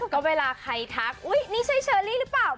ก็เวลาใครทักโอ้โฮมันใช่เชอรลี่หรือเปล่า